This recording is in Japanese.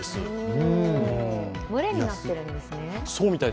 群れになっているんですね。